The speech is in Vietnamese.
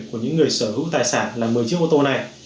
của những người sở hữu tài sản là một mươi chiếc ô tô này